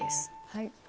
はい。